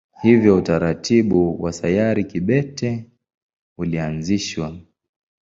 Hivyo utaratibu wa sayari kibete ulianzishwa.